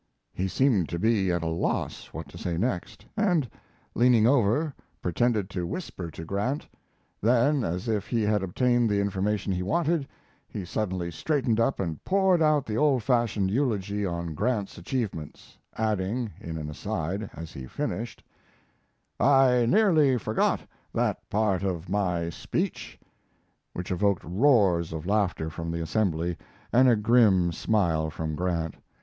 He seemed to be at loss what to say next, and, leaning over, pretended to whisper to Grant; then, as if he had obtained the information he wanted, he suddenly straightened up and poured out the old fashioned eulogy on Grant's achievements, adding, in an aside, as he finished: "I nearly forgot that part of my speech," which evoked roars of laughter from the assembly and a grim smile from Grant.